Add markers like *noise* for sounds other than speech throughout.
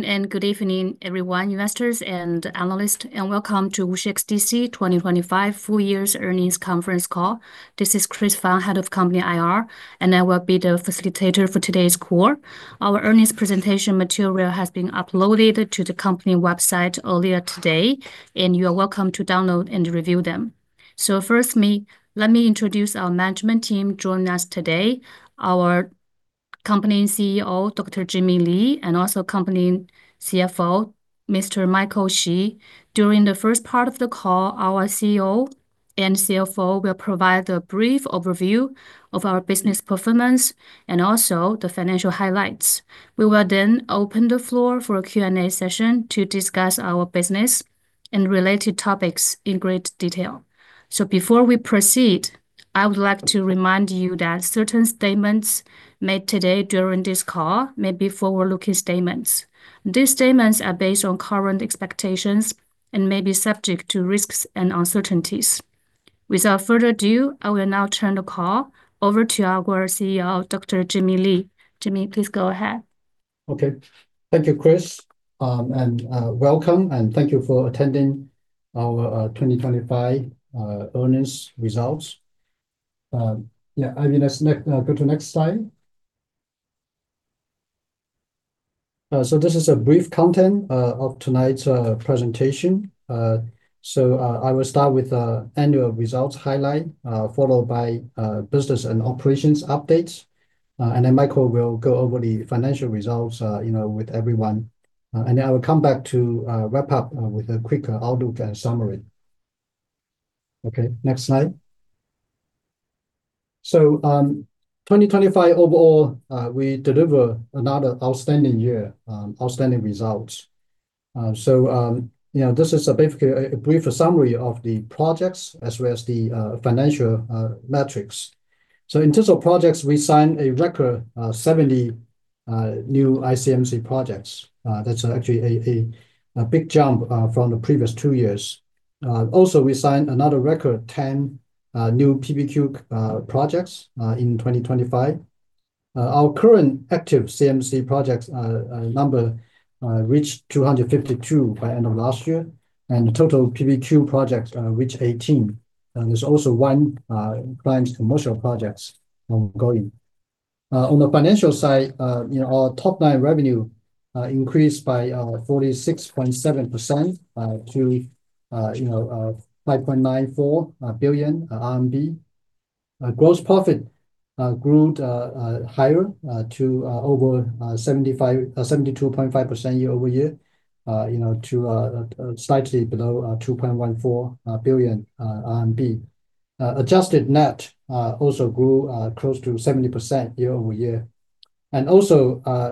Good evening everyone, investors and analysts, and welcome to WuXi XDC 2025 Full-Year Earnings Conference Call. This is Chris Fang, Head of company IR, and I will be the facilitator for today's call. Our earnings presentation material has been uploaded to the company website earlier today, and you are welcome to download and review them. Let me introduce our management team joining us today. Our Company's CEO, Dr. Jimmy Li, and also Company CFO, Mr. Michael Xi. During the first part of the call, our CEO and CFO will provide a brief overview of our business performance and also the financial highlights. We will then open the floor for a Q&A session to discuss our business and related topics in great detail. Before we proceed, I would like to remind you that certain statements made today during this call may be forward-looking statements. These statements are based on current expectations and may be subject to risks and uncertainties. Without further ado, I will now turn the call over to our CEO, Dr. Jimmy Li. Jimmy, please go ahead. Okay. Thank you, Chris, and welcome and thank you for attending our 2025 earnings results. Yeah, I mean, let's go to next slide. This is a brief content of tonight's presentation. I will start with annual results highlight, followed by business and operations updates. Then Michael will go over the financial results, you know, with everyone. Then I will come back to wrap up with a quick outlook and summary. Okay, next slide. 2025 overall, we deliver another outstanding year, outstanding results. You know, this is basically a brief summary of the projects as well as the financial metrics. In terms of projects, we signed a record of 70 new ICMC projects. That's actually a big jump from the previous two years. Also, we signed another record 10 new PPQ projects in 2025. Our current active CMC projects number reached 252 by end of last year, and the total PPQ projects reached 18. There's also one client's commercial projects ongoing. On the financial side, you know, our top-line revenue increased by 46.7% to you know 5.94 billion RMB. Gross profit grew higher to 72.5% year-over-year, you know, to slightly below RMB 2.14 billion. Adjusted net also grew close to 70% year-over-year.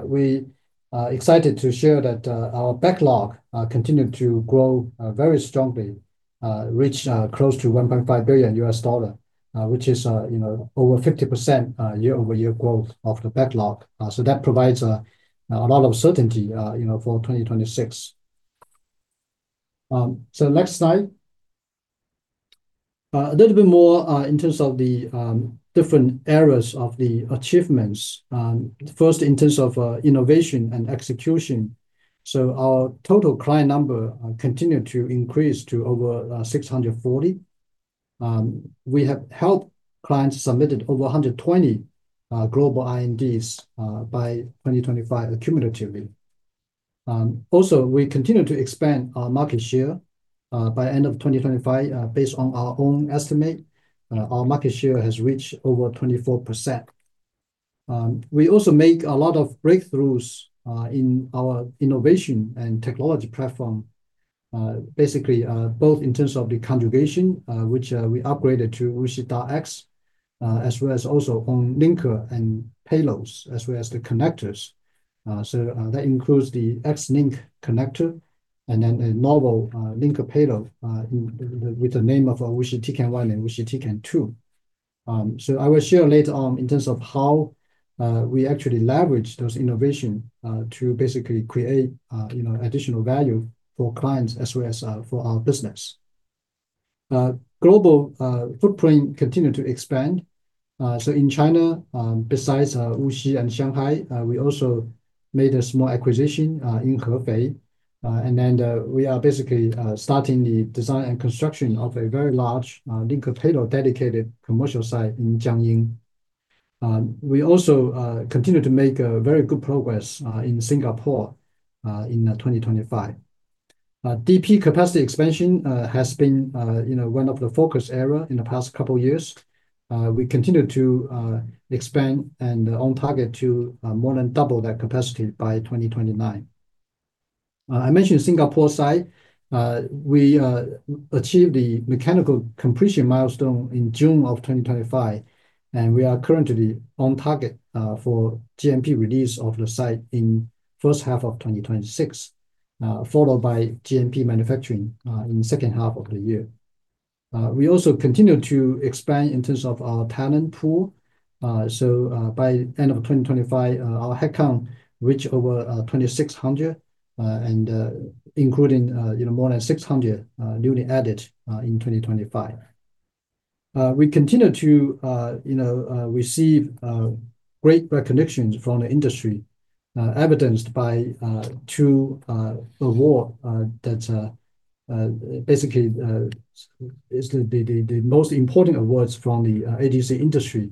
We are excited to share that our backlog continued to grow very strongly, reached close to $1.5 billion, which is, you know, over 50% year-over-year growth of the backlog. That provides a lot of certainty, you know, for 2026. Next slide. A little bit more in terms of the different areas of the achievements. First in terms of innovation and execution. Our total client number continued to increase to over 640. We have helped clients submitted over 120 global INDs by 2025 accumulatively. Also, we continue to expand our market share by end of 2025 based on our own estimate our market share has reached over 24%. We also make a lot of breakthroughs in our innovation and technology platform. Basically both in terms of the conjugation which we upgraded to WuXi XDC as well as also on linker and payloads as well as the connectors. That includes the X-LinC connector and then a novel linker-payload with the name of WuXiTecan-1 and WuXiTecan-2. I will share later on in terms of how we actually leverage those innovation to basically create you know additional value for clients as well as for our business. Global footprint continue to expand. In China, besides WuXi and Shanghai, we also made a small acquisition in Hefei. We are basically starting the design and construction of a very large linker payload dedicated commercial site in Jiangyin. We also continue to make a very good progress in Singapore in 2025. DP capacity expansion has been, you know, one of the focus area in the past couple of years. We continue to expand and on target to more than double that capacity by 2029. I mentioned Singapore site. We achieved the mechanical completion milestone in June of 2025, and we are currently on target for GMP release of the site in first half of 2026, followed by GMP manufacturing in second half of the year. We also continue to expand in terms of our talent pool. By end of 2025, our headcount reached over 2,600, and including you know, more than 600 newly added in 2025. We continue to, you know, receive great recognitions from the industry, evidenced by two awards that basically are the most important awards from the ADC industry.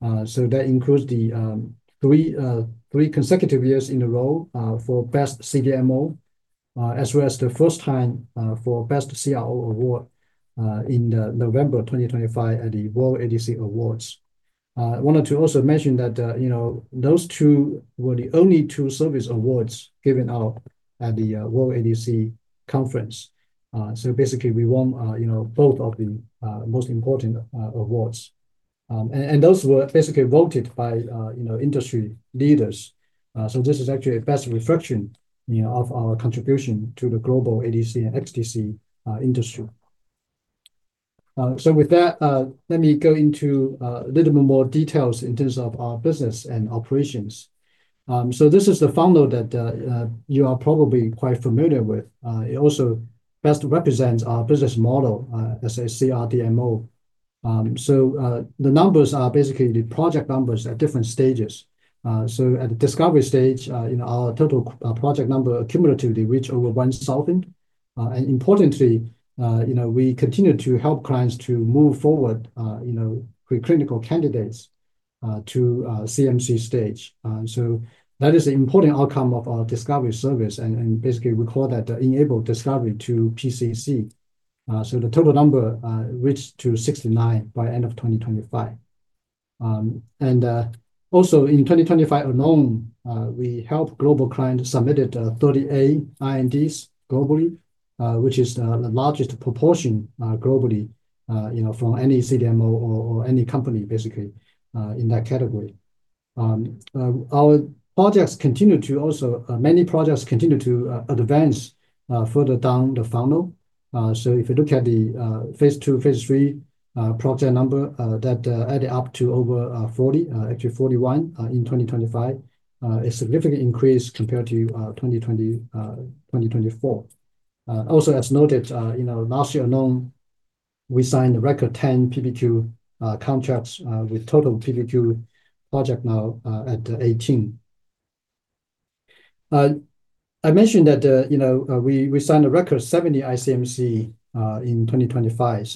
That includes the three consecutive years in a row for best CDMO, as well as the first time for best CRO award in November 2025 at the World ADC Awards. I wanted to also mention that, you know, those two were the only two service awards given out at the World ADC Conference. Basically, we won, you know, both of the most important awards. And those were basically voted by, you know, industry leaders. This is actually a best reflection, you know, of our contribution to the global ADC and XDC industry. With that, let me go into a little bit more details in terms of our business and operations. This is the funnel that you are probably quite familiar with. It also best represents our business model as a CRDMO. The numbers are basically the project numbers at different stages. At the discovery stage, you know, our total project number cumulatively reach over 1,000. Importantly, you know, we continue to help clients to move forward, you know, pre-clinical candidates to CMC stage. That is an important outcome of our discovery service, and basically we call that the enabled discovery to PCC. The total number reached to 69 by end of 2025. Also in 2025 alone, we helped global clients submit 38 INDs globally, which is the largest proportion globally, you know, from any CDMO or any company basically in that category. Our projects continue to advance further down the funnel. If you look at the phase II, phase III project number that added up to over 40, actually 41, in 2025, a significant increase compared to 2024. Also as noted, you know, last year alone, we signed a record 10 PPQ contracts, with total PPQ project now at 18. I mentioned that, you know, we signed a record 70 ICMC in 2025.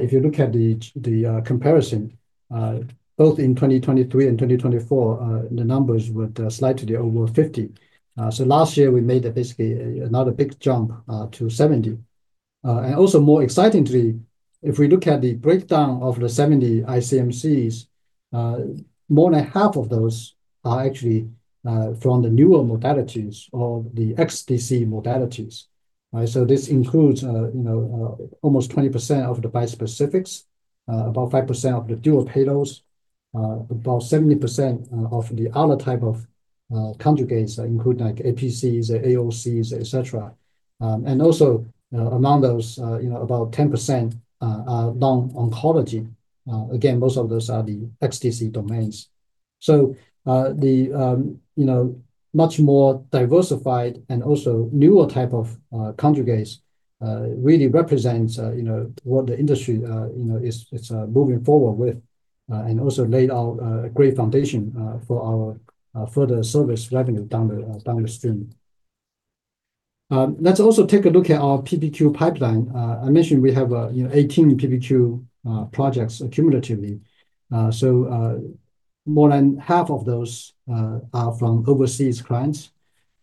If you look at the comparison both in 2023 and 2024, the numbers were slightly over 50. Last year we made basically another big jump to 70. More excitingly, if we look at the breakdown of the 70 ICMCs, more than half of those are actually from the newer modalities or the XDC modalities. This includes, you know, almost 20% of the bispecifics, about 5% of the dual payloads, about 70% of the other type of conjugates, including like APCs, AOCs, etc. Among those, you know, about 10% non-oncology. Again, most of those are the XDC domains. The you know much more diversified and also newer type of conjugates really represents you know what the industry you know is moving forward with. Also laid out a great foundation for our further service revenue down the stream. Let's also take a look at our PPQ pipeline. I mentioned we have you know 18 PPQ projects cumulatively. More than half of those are from overseas clients.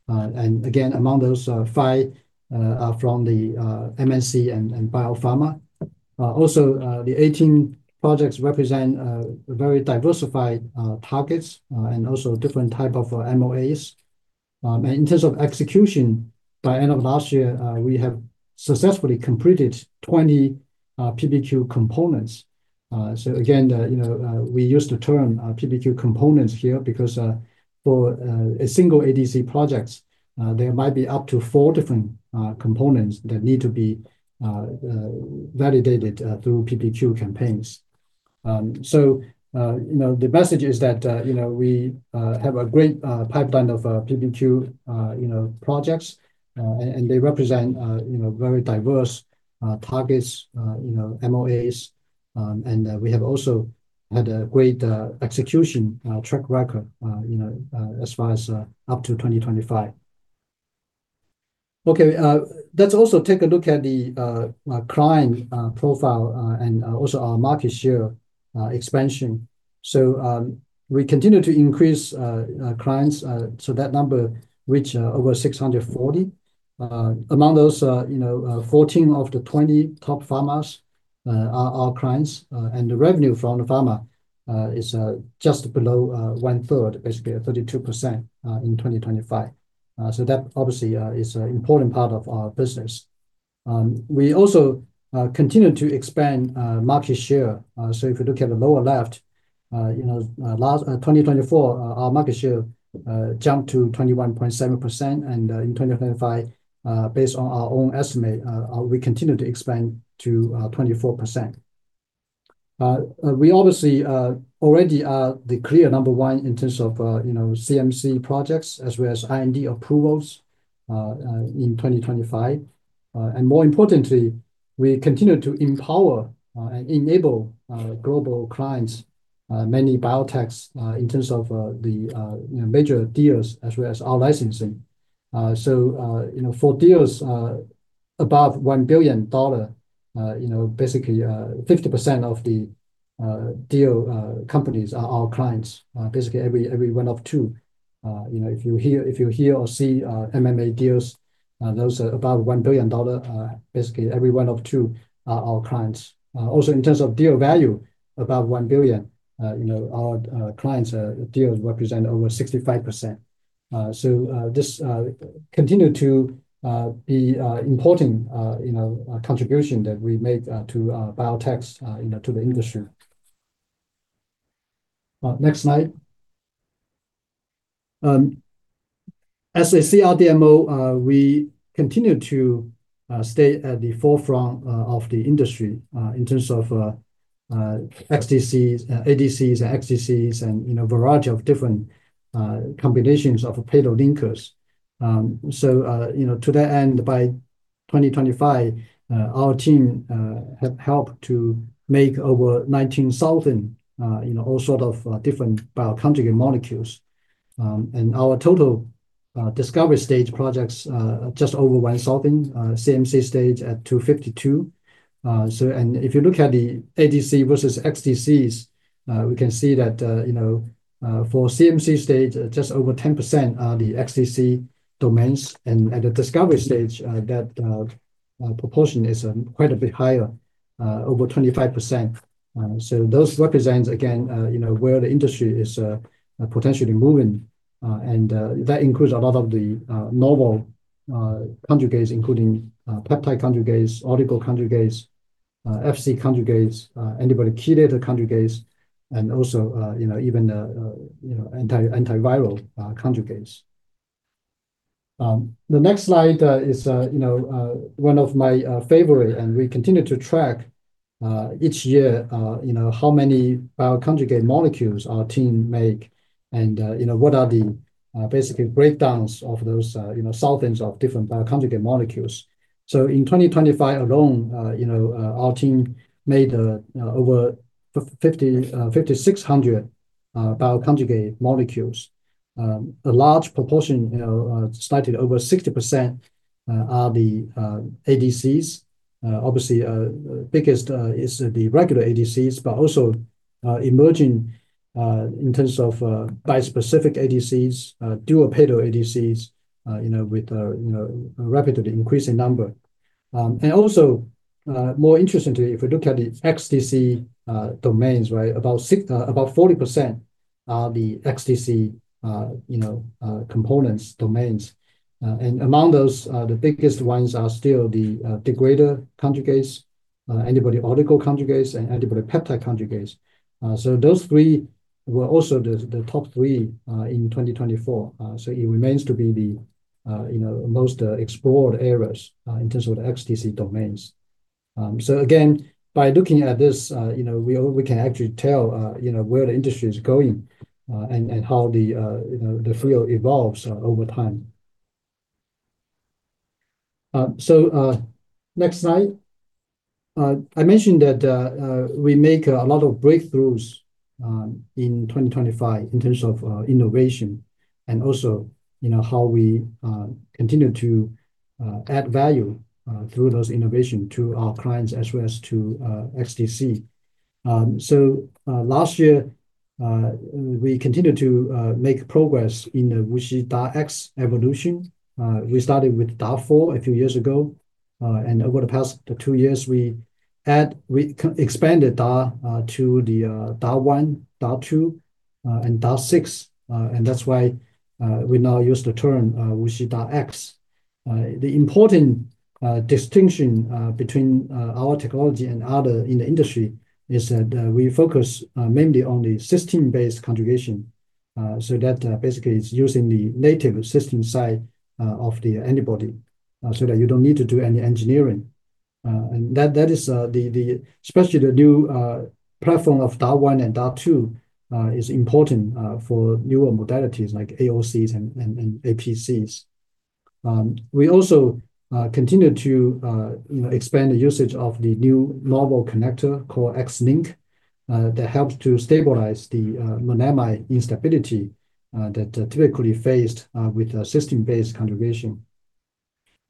Again among those five are from the MNC and biopharma. Also the 18 projects represent very diversified targets and also different type of MOAs. In terms of execution by end of last year we have successfully completed 20 PPQ components. Again, you know, we use the term PPQ components here because for a single ADC projects there might be up to four different components that need to be validated through PPQ campaigns. You know, the message is that you know we have a great pipeline of PPQ you know projects. They represent you know very diverse targets you know MOAs. We have also had a great execution track record you know as far as up to 2025. Okay, let's also take a look at the client profile and also our market share expansion. We continue to increase clients. That number reached over 640. Among those, you know, 14 of the 20 top pharmas are our clients. The revenue from the pharma is just below 1/3, basically 32% in 2025. That obviously is an important part of our business. We also continue to expand market share. If you look at the lower left, you know, last 2024, our market share jumped to 21.7%. In 2025, based on our own estimate, we continue to expand to 24%. We obviously already are the clear number one in terms of, you know, CMC projects as well as IND approvals. In 2025, more importantly, we continue to empower and enable global clients, many biotechs, in terms of the, you know, major deals as well as our licensing. You know, for deals above $1 billion, you know, basically, 50% of the deal companies are our clients. Basically every one of two, you know, if you hear or see M&A deals, those are above $1 billion, basically every one of two are our clients. Also in terms of deal value above $1 billion, you know, our clients' deals represent over 65%. This continue to be important, you know, contribution that we make to biotechs, you know, to the industry. Next slide. As a CRDMO, we continue to stay at the forefront of the industry in terms of XDCs, ADCs, XDCs and, you know, a variety of different combinations of payload linkers. To that end, by 2025, our team have helped to make over 19,000, you know, all sort of different bioconjugate molecules. Our total discovery stage projects just over 1,000 CMC stage at 252. If you look at the ADC versus XDCs, we can see that, you know, for CMC stage, just over 10% are the XDC domains. At the discovery stage, that proportion is quite a bit higher, over 25%. Those represents again, you know, where the industry is potentially moving. That includes a lot of the novel conjugates including peptide conjugates, optical conjugates, Fc conjugates, antibody-chelator conjugates, and also, you know, even antiviral conjugates. The next slide is you know one of my favorite and we continue to track each year you know how many bioconjugate molecules our team make and you know what are the basically breakdowns of those you know thousands of different bioconjugate molecules. In 2025 alone you know our team made over 5,600 bioconjugate molecules. A large proportion you know slightly over 60% are the ADCs. Obviously biggest is the regular ADCs but also emerging in terms of bispecific ADCs dual-payload ADCs you know with you know rapidly increasing number. Also more interestingly if we look at the XDC domains right? About 40% are the XDC components domains. Among those, the biggest ones are still the degrader conjugates, antibody-oligonucleotide conjugates, and antibody-peptide conjugates. Those three were also the top three in 2024. It remains to be the most explored areas in terms of XDC domains. Again, by looking at this, you know, we can actually tell, you know, where the industry is going and how the field evolves over time. Next slide. I mentioned that we make a lot of breakthroughs in 2025 in terms of innovation and also, you know, how we continue to add value through those innovation to our clients as well as to XDC. Last year we continued to make progress in the WuXiDARx evolution. We started with DAR4 a few years ago and over the past two years we expanded DAR to the DAR1, DAR2 and DAR6. That's why we now use the term WuXiDARx. The important distinction between our technology and other in the industry is that we focus mainly on the cysteine-based conjugation. That basically is using the native cysteine site of the antibody so that you don't need to do any engineering. That is especially the new platform of DAR1 and DAR2 is important for newer modalities like AOCs and APCs. We also continue to you know expand the usage of the new novel connector called X-LinC that helps to stabilize the monomer instability that typically faced with a cysteine-based conjugation.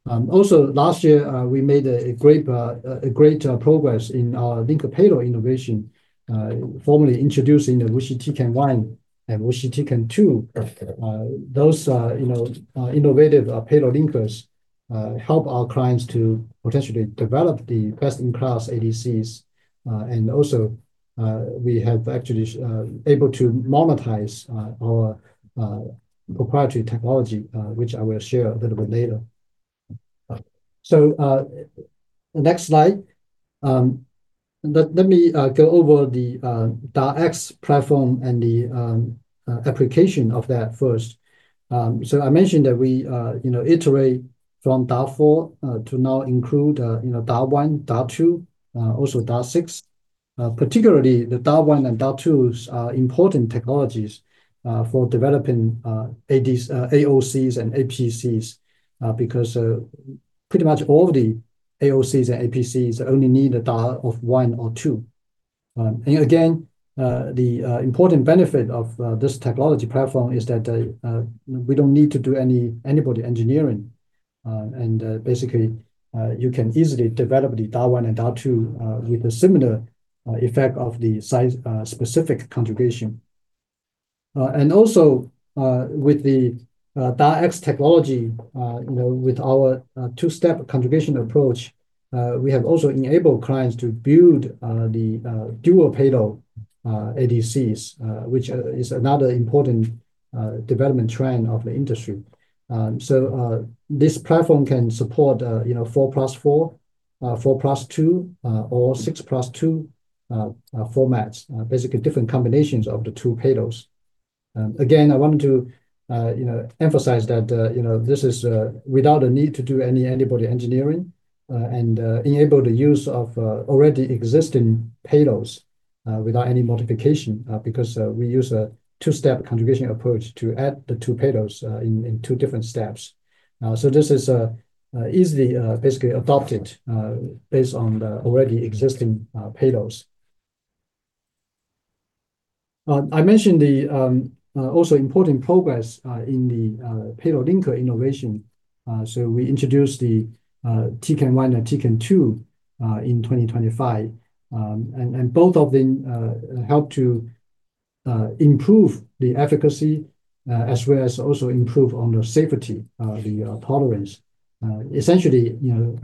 Also last year we made a great progress in our linker payload innovation formally introducing the WuXiTecan-1 and WuXiTecan-2. Those you know innovative payload linkers help our clients to potentially develop the best-in-class ADCs. We have actually able to monetize our proprietary technology, which I will share a little bit later. Next slide. Let me go over the DARx platform and the application of that first. I mentioned that we, you know, iterate from DAR4 to now include, you know, DAR1, DAR2, also DAR6. Particularly the DAR1 and DAR2's important technologies for developing AOCs and APCs, because pretty much all the AOCs and APCs only need a DAR of 1 or 2. Again, the important benefit of this technology platform is that we don't need to do any antibody engineering. Basically, you can easily develop the DAR1 and DAR2 with a similar site-specific conjugation. With the DARx technology, you know, with our two-step conjugation approach, we have also enabled clients to build the dual-payload ADCs, which is another important development trend of the industry. This platform can support, you know, 4+4 format, 4+2 format, or 6+2 formats. Basically different combinations of the two payloads. Again, I wanted to, you know, emphasize that, you know, this is without a need to do any antibody engineering, and enable the use of already existing payloads without any modification, because we use a two-step conjugation approach to add the two payloads in two different steps. So this is easily, basically adopted based on the already existing payloads. I mentioned also important progress in the payload linker innovation. So we introduced the Tecan-1 and Tecan-2 in 2025. Both of them help to improve the efficacy as well as also improve on the safety, the tolerance. Essentially, you know,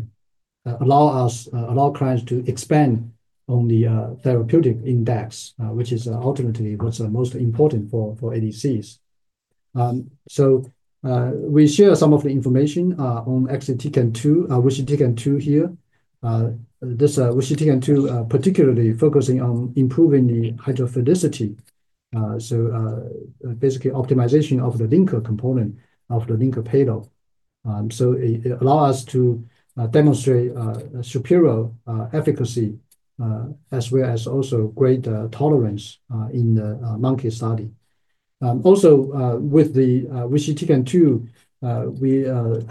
allow clients to expand on the therapeutic index, which is ultimately what's the most important for ADCs. We share some of the information on actually WuXiTecan-2 here. This WuXiTecan-2 particularly focusing on improving the hydrophilicity. Basically optimization of the linker component of the linker-payload. It allow us to demonstrate a superior efficacy as well as also great tolerance in the monkey study. Also, with the WuXiTecan-2, we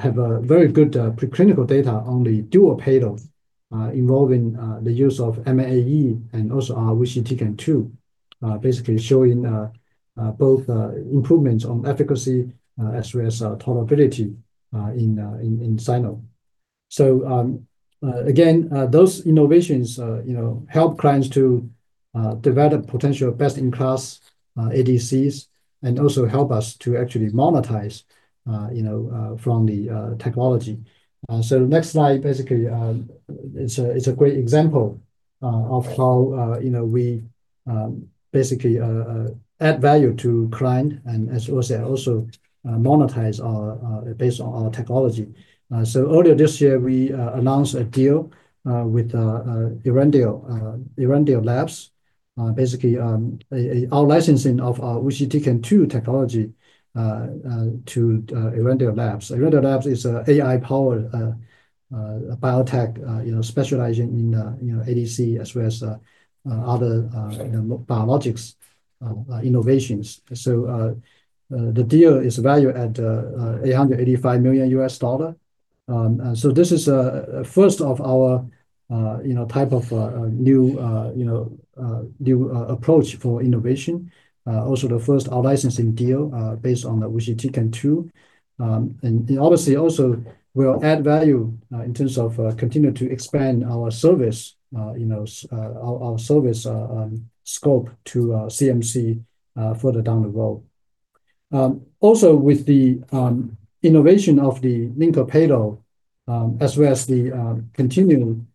have a very good preclinical data on the dual payload involving the use of MMAE and also our WuXiTecan-2, basically showing both improvements on efficacy as well as tolerability in vivo. Again, those innovations you know help clients to develop potential best-in-class ADCs and also help us to actually monetize you know from the technology. Next slide, basically, it's a great example of how you know we basically add value to client and also monetize ours based on our technology. Earlier this year, we announced a deal with Earendil Labs. Basically, our licensing of our WuXiTecan-2 technology to Earendil Labs. Earendil Labs is an AI-powered biotech, you know, specializing in, you know, ADC as well as other, you know, biologics innovations. The deal is valued at $885 million. This is first of our, you know, type of new approach for innovation. Also the first out-licensing deal based on the WuXiTecan-2. It obviously also will add value in terms of continue to expand our service, you know, our service scope to CMC further down the road. Also with the innovation of the linker payload, as well as the continuing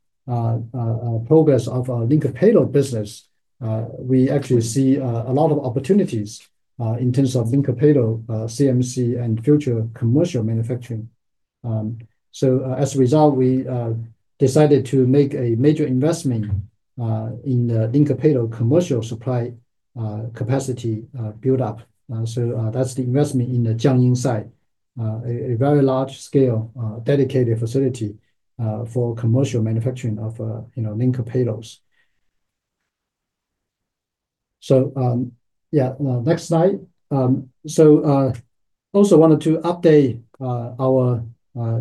progress of our linker payload business, we actually see a lot of opportunities in terms of linker payload CMC and future commercial manufacturing. As a result, we decided to make a major investment in the linker payload commercial supply capacity build-up. That's the investment in the Jiangyin site. A very large scale dedicated facility for commercial manufacturing of, you know, linker payloads. Next slide. Also wanted to update our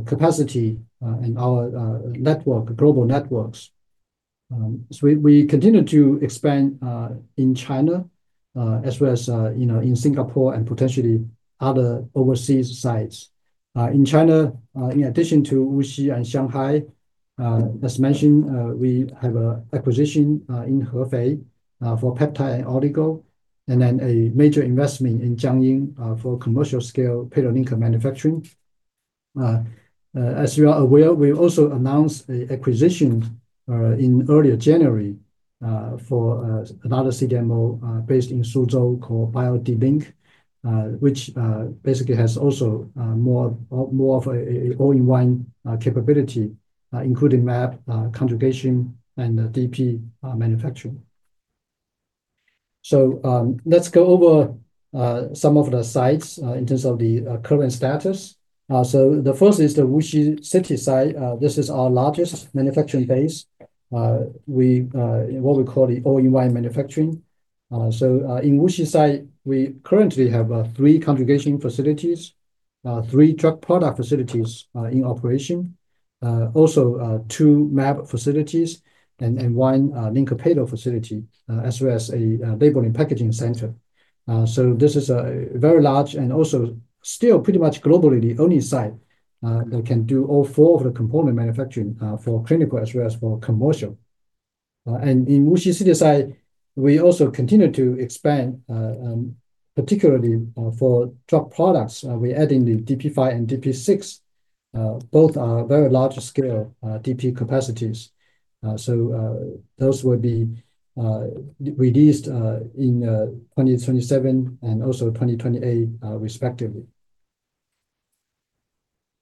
capacity and our global networks. We continue to expand in China as well as, you know, in Singapore and potentially other overseas sites. In China, in addition to WuXi and Shanghai, as mentioned, we have an acquisition in Hefei for peptide and oligonucleotide, and then a major investment in Jiangyin for commercial scale payload linker manufacturing. As you are aware, we also announced an acquisition in early January for another CDMO based in Suzhou called BioDlink, which basically has also more of a all-in-one capability including mAb conjugation and DP manufacturing. Let's go over some of the sites in terms of the current status. The first is the WuXi city site. This is our largest manufacturing base. We what we call the our manufacturing. In WuXi site, we currently have three conjugation facilities, three drug product facilities in operation. Also, two mAb facilities and one linker-payload facility, as well as a labeling packaging center. This is a very large and also still pretty much globally the only site that can do all four of the component manufacturing for clinical as well as for commercial. In WuXi city site, we also continue to expand, particularly, for drug products. We're adding the DP5 and DP6. Both are very large scale DP capacities. Those will be released in 2027 and also 2028, respectively.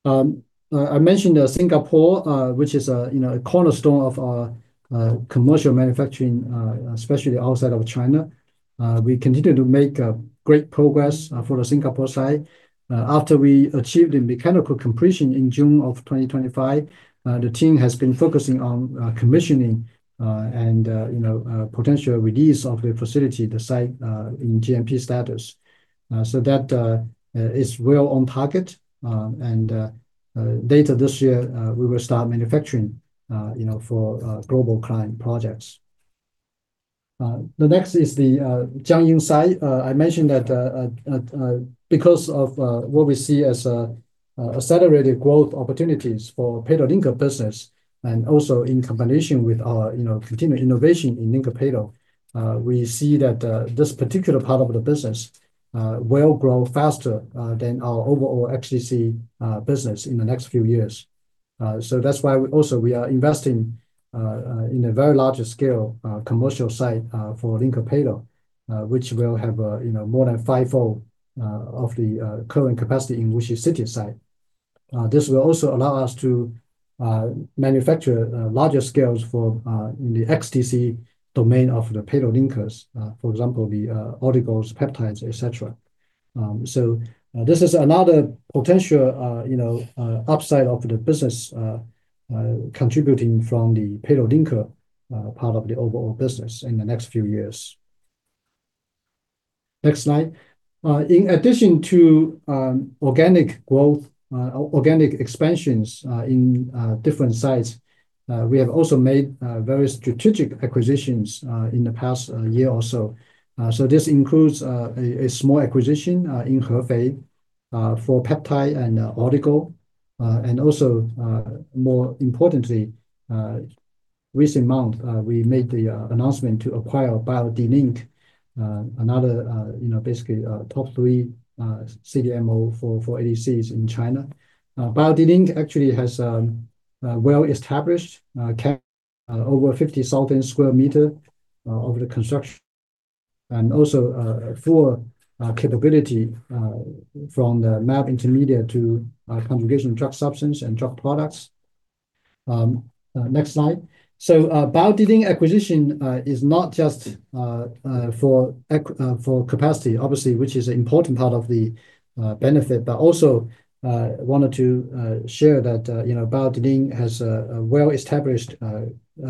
I mentioned Singapore, which is, you know, a cornerstone of our commercial manufacturing, especially outside of China. We continue to make great progress for the Singapore site. After we achieved the mechanical completion in June of 2025, the team has been focusing on commissioning and, you know, potential release of the facility, the site, in GMP status. That is well on target. Later this year, we will start manufacturing, you know, for global client projects. The next is the Jiangyin site. I mentioned that because of what we see as accelerated growth opportunities for payload-linker business and also in combination with our, you know, continued innovation in linker-payload, we see that this particular part of the business will grow faster than our overall XDC business in the next few years. That's why we are investing in a very large scale commercial site for linker-payload, which will have, you know, more than fivefold of the current capacity in WuXi city site. This will also allow us to manufacture larger scales for in the XDC domain of the payload-linkers, for example, the ADCs, peptides, et cetera. This is another potential, you know, upside of the business, contributing from the peptide linker part of the overall business in the next few years. Next slide. In addition to organic growth, organic expansions in different sites, we have also made very strategic acquisitions in the past year or so. This includes a small acquisition in Hefei for peptides and oligonucleotides. And also, more importantly, in recent months, we made the announcement to acquire BioDlink, another, you know, basically, top three CDMO for ADCs in China. BioDlink actually has well-established capacity over 50,000 sq m of construction and also full capability from the mAb intermediate to conjugation drug substance and drug products. Next slide. BioDlink acquisition is not just for capacity, obviously, which is an important part of the benefit. Also wanted to share that, you know, BioDlink has a well-established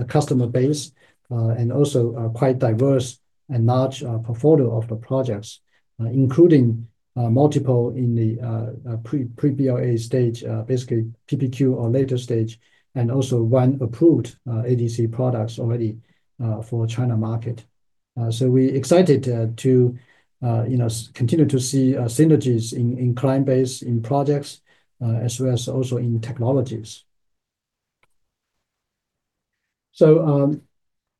customer base and also a quite diverse and large portfolio of the projects, including multiple in the pre-BLA stage, basically PPQ or later stage, and also one approved ADC products already for China market. We are excited to you know continue to see synergies in client base in projects as well as also in technologies.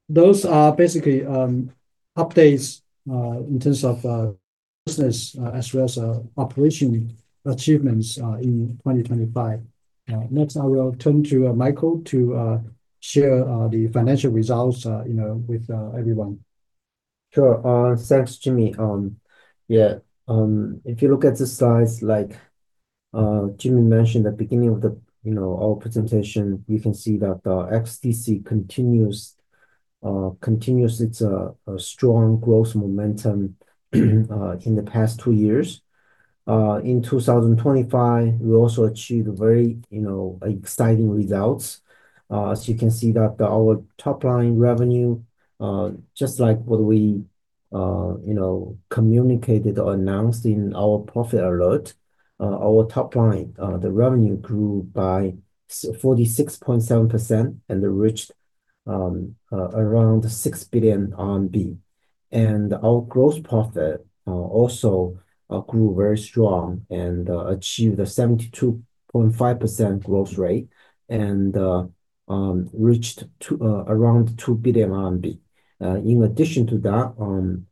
Those are basically updates in terms of business as well as operational achievements in 2025. Next, I will turn to Michael to share the financial results you know with everyone. Sure. Thanks, Jimmy. Yeah, if you look at the slides like Jimmy mentioned at the beginning of our presentation, we can see that the XDC continues its strong growth momentum in the past two years. In 2025, we also achieved very exciting results. So you can see that our top line revenue just like what we you know communicated or announced in our profit alert, our top line revenue grew by 46.7% and it reached around 6 billion RMB. Our gross profit also grew very strong and achieved a 72.5% growth rate and reached around 2 billion RMB. In addition to that,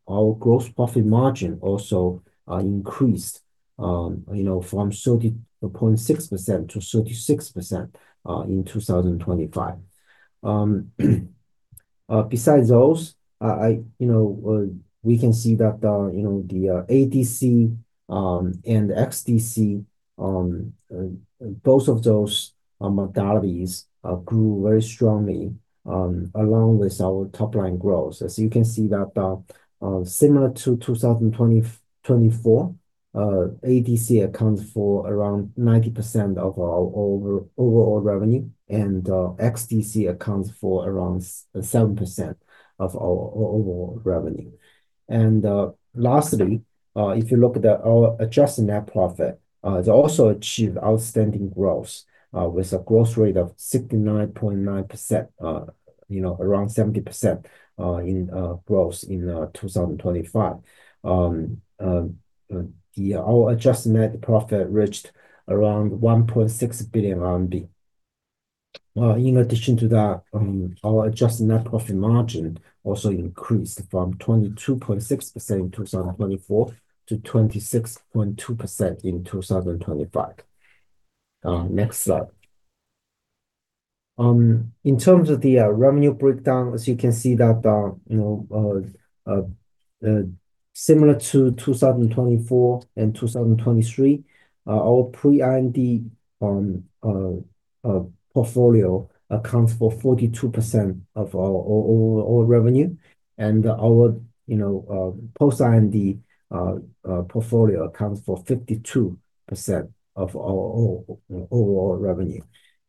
our gross profit margin also increased, you know, from 30.6%-36% in 2025. Besides those, you know, we can see that, you know, the ADC and XDC both of those modalities grew very strongly along with our top-line growth. You can see that, similar to 2024, ADC accounts for around 90% of our overall revenue, and XDC accounts for around 7% of our overall revenue. Lastly, if you look at our adjusted net profit, it also achieved outstanding growth with a growth rate of 69.9%, you know, around 70% growth in 2025. Our adjusted net profit reached around 1.6 billion RMB. In addition to that, our adjusted net profit margin also increased from 22.6% in 2024 to 26.2% in 2025. Next slide. In terms of the revenue breakdown, as you can see that, you know, similar to 2024 and 2023, our pre-R&D portfolio accounts for 42% of our overall revenue and our, you know, post-R&D portfolio accounts for 52% of our overall revenue.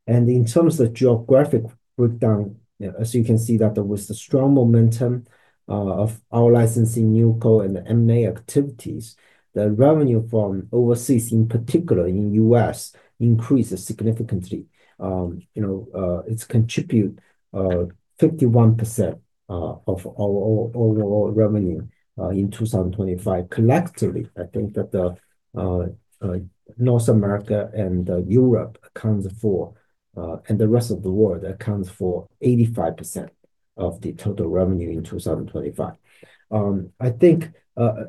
In terms of geographic breakdown, you know, as you can see that there was the strong momentum of our licensing new co and M&A activities, the revenue from overseas, in particular in U.S., increased significantly. You know, it's contribute 51% of our overall revenue in 2025. Collectively, I think that the North America and Europe accounts for and the rest of the world accounts for 85% of the total revenue in 2025. I think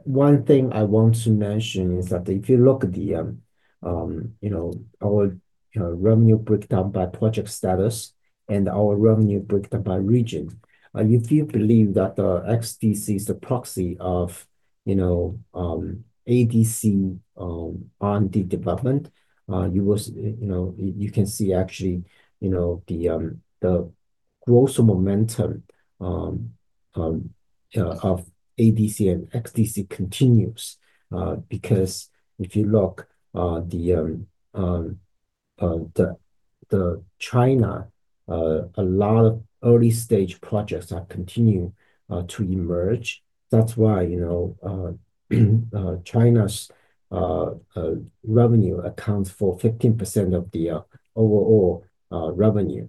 one thing I want to mention is that if you look at the, you know, our revenue breakdown by project status and our revenue breakdown by region, if you believe that the XDC is a proxy of, you know, ADC, R&D development, you will, you know, you can see actually, you know, the growth momentum of ADC and XDC continues. Because if you look, in China, a lot of early-stage projects are continuing to emerge. That's why, you know, China's revenue accounts for 15% of the overall revenue,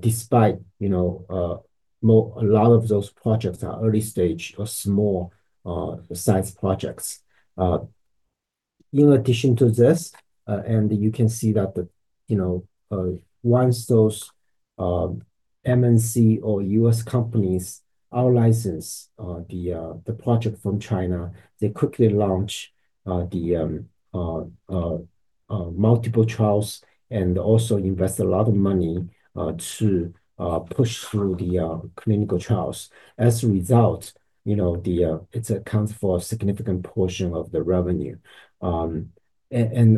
despite, you know, a lot of those projects are early-stage or small science projects. In addition to this, you can see that, you know, once those MNC or U.S. companies out-license the project from China, they quickly launch the multiple trials and also invest a lot of money to push through the clinical trials. As a result, you know, it accounts for a significant portion of the revenue.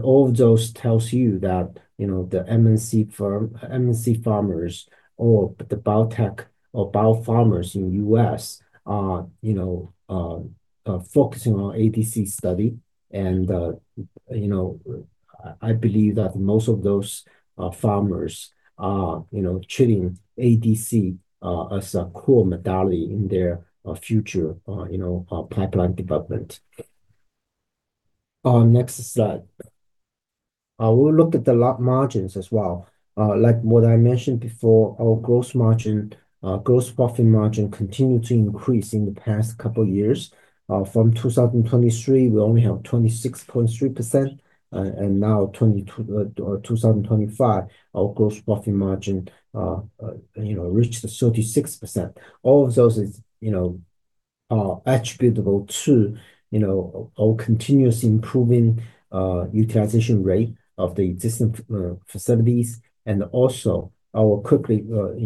All of those tells you that, you know, the MNC firm, MNC pharmas or the biotech or biopharmas in U.S. are, you know, focusing on ADC space. I believe that most of those pharmas are, you know, treating ADC as a core modality in their future pipeline development. Next slide. We'll look at the top-line margins as well. Like what I mentioned before, our gross margin, gross profit margin continued to increase in the past couple years. From 2023, we only have 26.3%, and now 2024 or 2025, our gross profit margin reached 36%. All of those is, you know, attributable to, you know, our continuous improving utilization rate of the existing facilities, and also our quickly,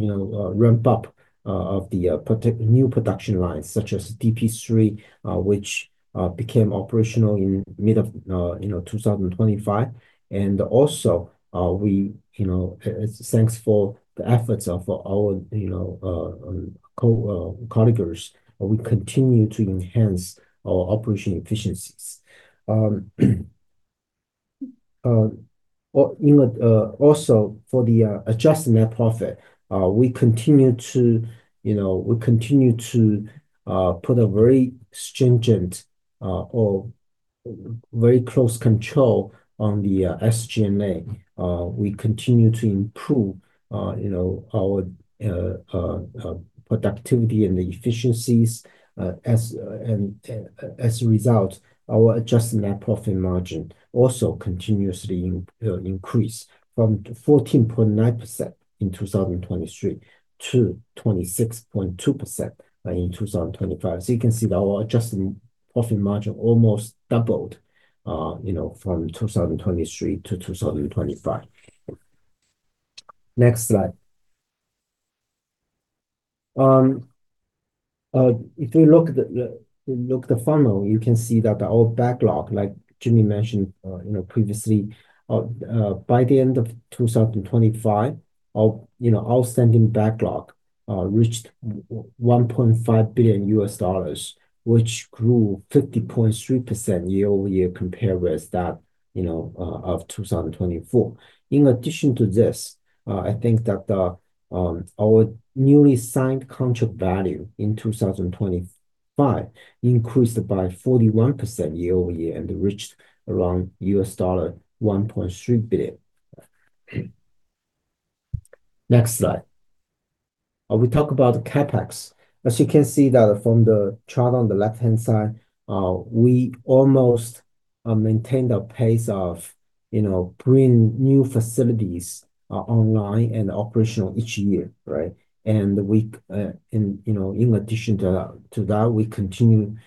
you know, ramp up of the new production lines, such as DP3, which became operational in mid-2025. We, you know, thanks for the efforts of our, you know, colleagues. We continue to enhance our operation efficiencies. Also for the adjusted net profit, we continue to, you know, put a very stringent or very close control on the SG&A. We continue to improve, you know, our productivity and the efficiencies. As a result, our adjusted net profit margin also continuously increased from 14.9% in 2023 to 26.2% in 2025. You can see that our adjusted profit margin almost doubled, you know, from 2023-2025. Next slide. If you look at the funnel, you can see that the total backlog, like Jimmy mentioned, you know, previously, by the end of 2025, our outstanding backlog reached $1.5 billion, which grew 50.3% year-over-year compared with that, you know, of 2024. In addition to this, I think that our newly signed contract value in 2025 increased by 41% year-over-year and reached around $1.3 billion. Next slide. We talk about CapEx. As you can see from the chart on the left-hand side, we almost maintained a pace of, you know, bringing new facilities online and operational each year, right? In addition to that we'll continue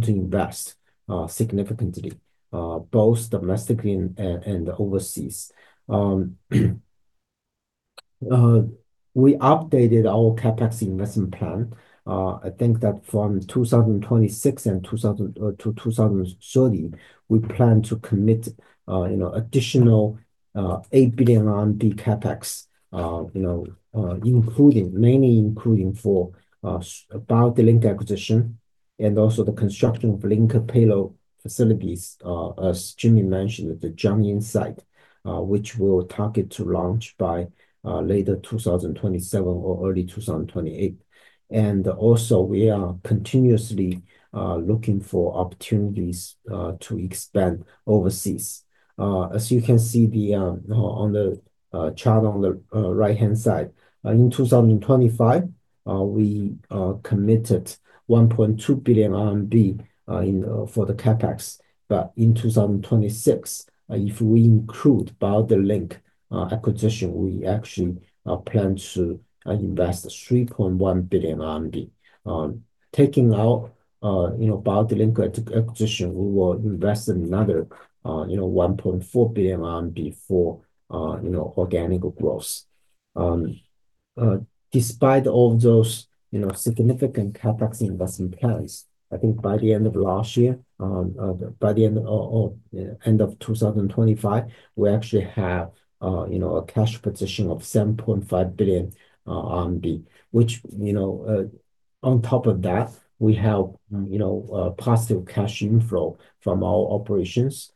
to invest significantly both domestically and overseas. We updated our CapEx investment plan. I think that from 2026-2030, we plan to commit, you know, additional 8 billion RMB CapEx. You know, including mainly for the BioDlink acquisition and also the construction of linker-payload facilities, as Jimmy mentioned, at the Jiangyin site, which we'll target to launch by late 2027 or early 2028. Also, we are continuously looking for opportunities to expand overseas. As you can see on the chart on the right-hand side, in 2025, we committed 1.2 billion RMB for the CapEx. In 2026, if we include BioDlink acquisition, we actually plan to invest 3.1 billion RMB. Taking out, you know, BioDlink acquisition, we will invest another, you know, 1.4 billion RMB for, you know, organic growth. Despite all those, you know, significant CapEx investment plans, I think by the end of 2025, we actually have, you know, a cash position of 7.5 billion RMB. Which, you know, on top of that, we have, you know, positive cash inflow from our operations.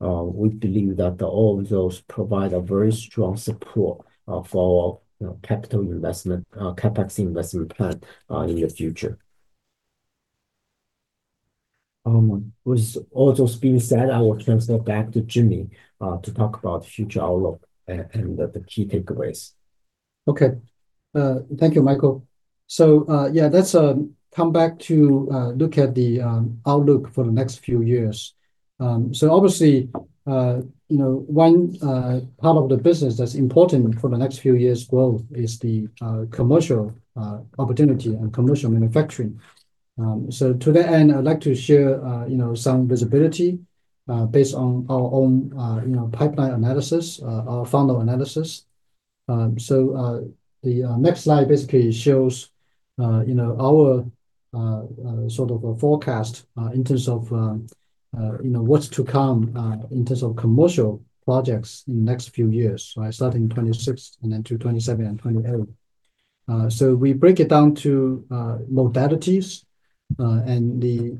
We believe that all those provide a very strong support for, you know, capital investment, CapEx investment plan in the future. With all those being said, I will transfer back to Jimmy to talk about future outlook and the key takeaways. Okay. Thank you, Michael. Yeah, let's come back to look at the outlook for the next few years. Obviously, you know, one part of the business that's important for the next few years' growth is the commercial opportunity and commercial manufacturing. To that end, I'd like to share you know, some visibility based on our own you know, pipeline analysis, our funnel analysis. The next slide basically shows you know, our sort of a forecast in terms of you know, what's to come in terms of commercial projects in the next few years, right? Starting in 2026 and then to 2027 and 2028. We break it down to modalities, and the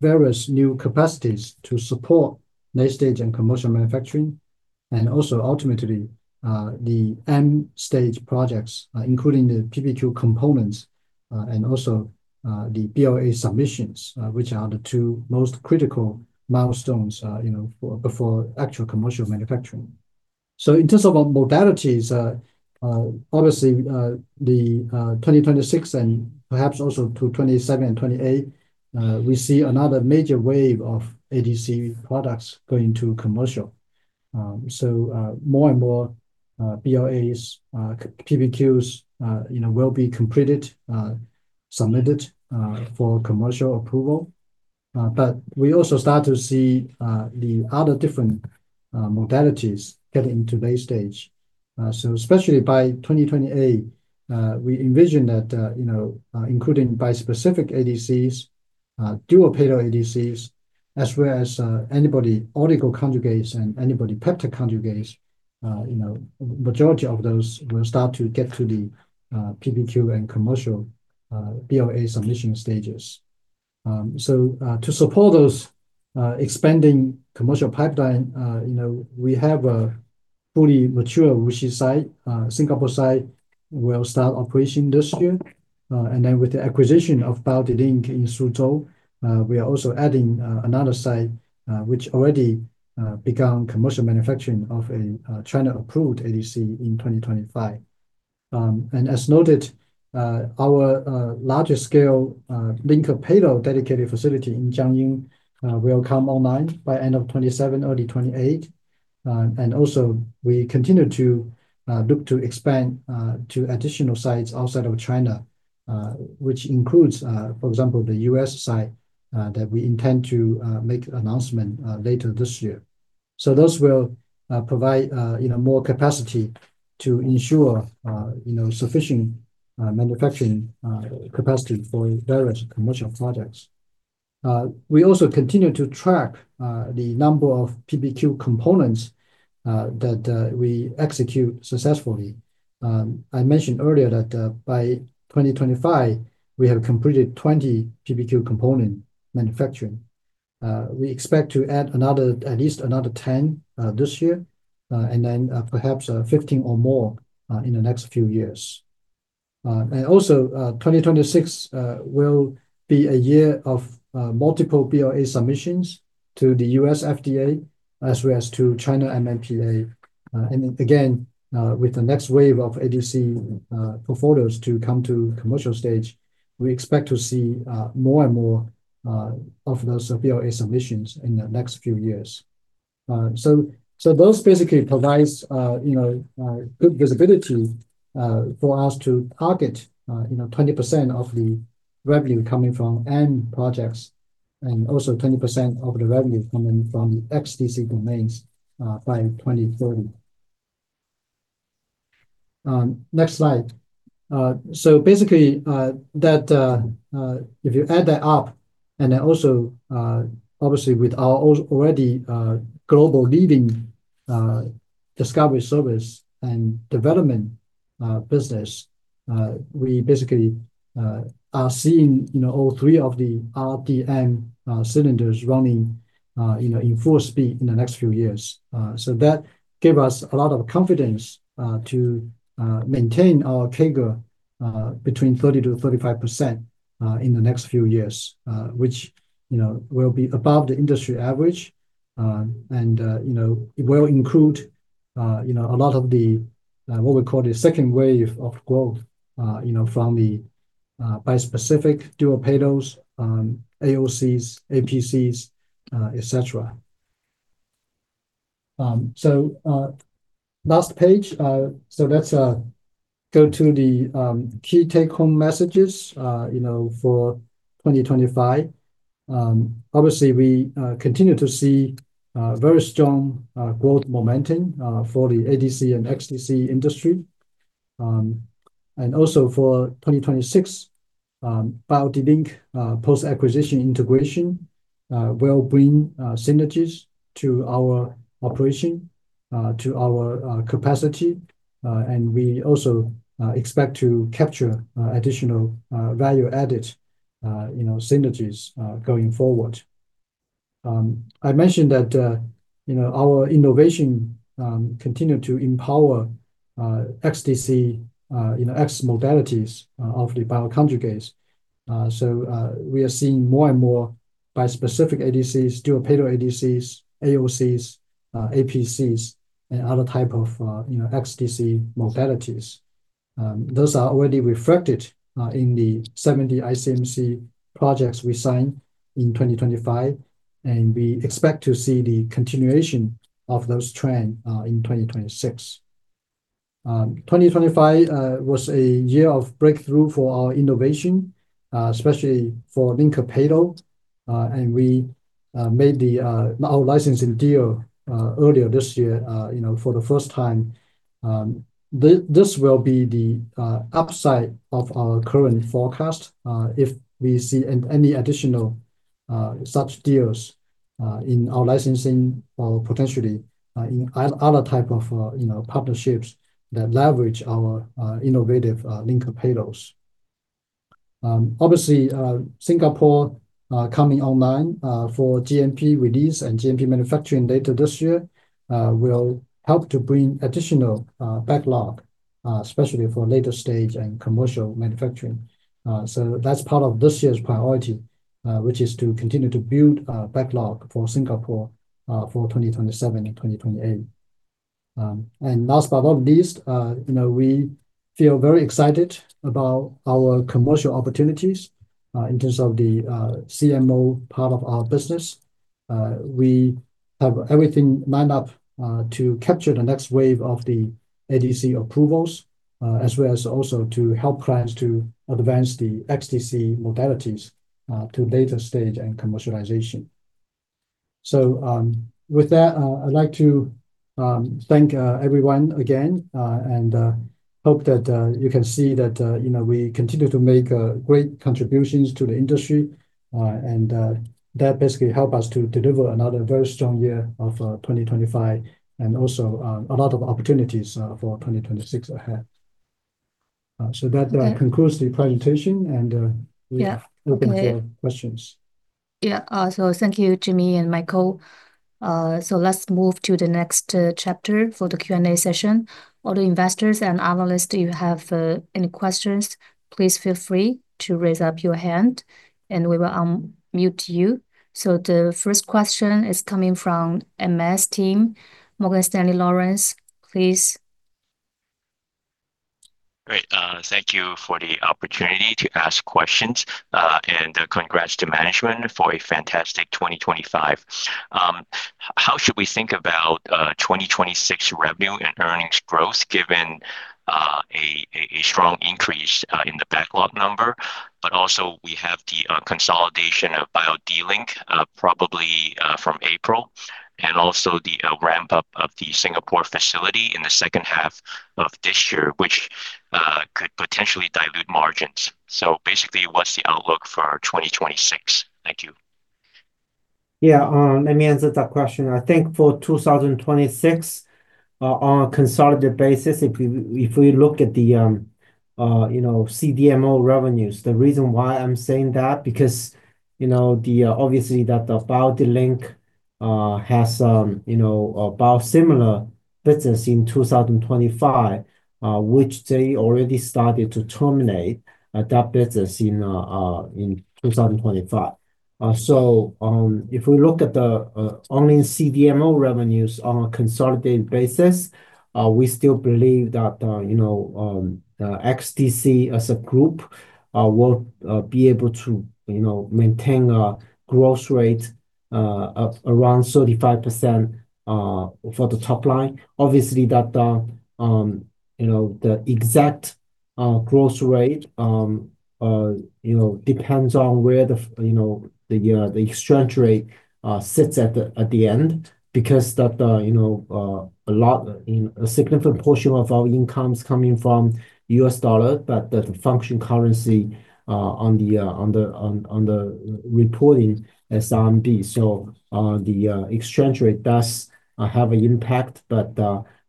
various new capacities to support late-stage and commercial manufacturing and also ultimately the M-stage projects, including the PPQ components, and also the BLA submissions, which are the two most critical milestones, you know, for actual commercial manufacturing. In terms of modalities, obviously the 2026 and perhaps also 2027 and 2028, we see another major wave of ADC products going to commercial. More and more BLAs, PPQs, you know, will be completed, submitted for commercial approval. We also start to see the other different modalities getting to late stage. Especially by 2028, we envision that, you know, including bispecific ADCs, dual-payload ADCs, as well as antibody-oligonucleotide conjugates and antibody-peptide conjugates, you know, majority of those will start to get to the PPQ and commercial BLA submission stages. To support those expanding commercial pipeline, you know, we have a fully mature WuXi site. Singapore site will start operation this year. With the acquisition of BioDlink in Suzhou, we are also adding another site, which already begun commercial manufacturing of a China-approved ADC in 2025. As noted, our larger scale linker-payload dedicated facility in Jiangyin will come online by end of 2027, early 2028. We continue to look to expand to additional sites outside of China, which includes, for example, the U.S. site, that we intend to make announcement later this year. Those will provide, you know, more capacity to ensure, you know, sufficient manufacturing capacity for various commercial projects. We also continue to track the number of PPQ components that we execute successfully. I mentioned earlier that by 2025, we have completed 20 PPQ component manufacturing. We expect to add another, at least another 10 PPQ, this year, and then, perhaps, 15 PPQ or more, in the next few years. 2026 will be a year of multiple BLA submissions to the U.S. FDA as well as to China NMPA. With the next wave of ADC portfolios to come to commercial stage, we expect to see more and more of those BLA submissions in the next few years. Those basically provides you know good visibility for us to target you know 20% of the revenue coming from end projects and also 20% of the revenue coming from the XDC domains by 2030. Next slide. Basically that if you add that up and then also obviously with our already global leading discovery service and development business we basically are seeing you know all three of the RDM cylinders running you know in full speed in the next few years. That gave us a lot of confidence to maintain our CAGR between 30%-35% in the next few years, which, you know, will be above the industry average. You know, it will include you know, a lot of the what we call the second wave of growth you know, from the bispecific dual-payloads, AOCs, APCs, et cetera. Last page. Let's go to the key take-home messages, you know, for 2025. Obviously, we continue to see very strong growth momentum for the ADC and XDC industry. Also for 2026, BioDlink post-acquisition integration will bring synergies to our operation to our capacity. We also expect to capture additional value added you know synergies going forward. I mentioned that you know our innovation continued to empower XDC you know XDC modalities of the bioconjugates. We are seeing more and more bispecific ADCs, dual-payload ADCs, AOCs, APCs and other type of you know XDC modalities. Those are already reflected in the 70 ICMC projects we signed in 2025, and we expect to see the continuation of those trend in 2026. 2025 was a year of breakthrough for our innovation especially for linker-payload. We made our licensing deal earlier this year you know for the first time. This will be the upside of our current forecast, if we see any additional such deals in our licensing or potentially in other type of, you know, partnerships that leverage our innovative linker payloads. Obviously, Singapore coming online for GMP release and GMP manufacturing later this year will help to bring additional backlog, especially for later stage and commercial manufacturing. That's part of this year's priority, which is to continue to build backlog for Singapore for 2027 and 2028. Last but not least, you know, we feel very excited about our commercial opportunities in terms of the CMO part of our business. We have everything lined up to capture the next wave of the ADC approvals, as well as also to help clients to advance the XDC modalities to later stage and commercialization. With that, I'd like to thank everyone again and hope that you can see that you know we continue to make great contributions to the industry and that basically help us to deliver another very strong year of 2025 and also a lot of opportunities for 2026 ahead. That concludes the presentation and we are open for questions. Yeah. Thank you, Jimmy and Michael. Let's move to the next chapter for the Q&A session. All the investors and analysts, do you have any questions, please feel free to raise up your hand and we will unmute you. The first question is coming from MS team. Morgan Stanley, Lawrence, please. Great. Thank you for the opportunity to ask questions. Congrats to management for a fantastic 2025. How should we think about 2026 revenue and earnings growth given a strong increase in the backlog number? Also we have the consolidation of BioDlink, probably from April, and also the ramp-up of the Singapore facility in the second half of this year, which- potentially dilute margins. Basically, what's the outlook for 2026? Thank you. Yeah, let me answer that question. I think for 2026, on a consolidated basis, if we look at the you know CDMO revenues, the reason why I'm saying that, because you know obviously that the BioDlink has a biosimilar business in 2025, which they already started to terminate that business in 2025. So, if we look at the only CDMO revenues on a consolidated basis, we still believe that you know XDC as a group will be able to you know maintain a growth rate around 35% for the top line. Obviously, the exact growth rate depends on where the exchange rate sits at the end because a significant portion of our income is coming from U.S. dollar, but the functional currency on the reporting RMB. The exchange rate does have an impact, but